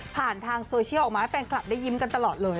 ผ่านทางโซเชียลออกมาให้แฟนคลับได้ยิ้มกันตลอดเลย